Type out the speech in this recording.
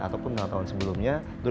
ataupun dengan tahun sebelumnya